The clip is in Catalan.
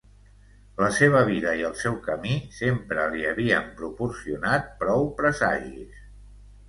La seva vida i el seu camí sempre li havien proporcionat prou presagis.